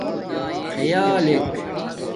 خیالک